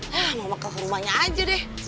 ya mama ke rumahnya aja deh